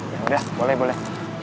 ya udah boleh boleh